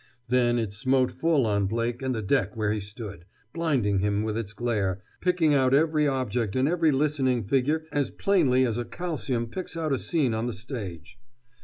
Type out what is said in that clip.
Then it smote full on Blake and the deck where he stood, blinding him with its glare, picking out every object and every listening figure as plainly as a calcium picks out a scene on the stage.